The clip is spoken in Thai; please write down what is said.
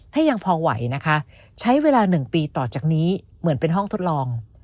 ถ้ายังพอไหวนะคะใช้เวลา๑ปีต่อจากนี้เหมือนเป็นห้องทดลอง